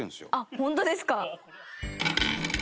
本当ですか？